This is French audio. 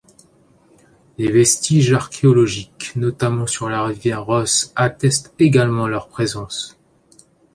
Les vestiges archéologiques, notamment sur la rivière Ros attestent également leur présence.